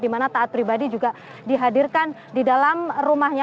di mana taat pribadi juga dihadirkan di dalam rumahnya